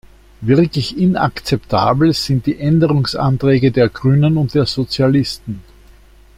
Wirklich inakzeptabel sind die Änderungsanträge der Grünen und der Sozialisten.